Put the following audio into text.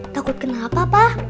takut kenapa pak